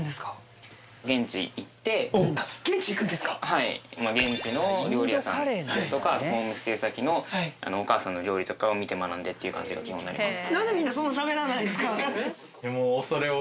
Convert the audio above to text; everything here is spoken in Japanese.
はい現地の料理屋さんですとかホームステイ先のお母さんの料理とかを見て学んでっていう感じが基本になります